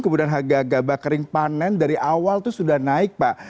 kemudian harga gabak kering panen dari awal itu sudah naik pak